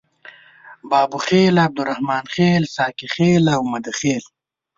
بابوخیل، عبدالرحمن خیل، ساقي خیل او مده خیل.